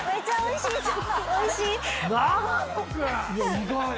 意外！